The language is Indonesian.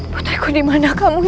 putriku dimana kamu